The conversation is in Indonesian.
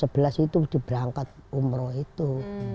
sebelas itu diberangkat umroh itu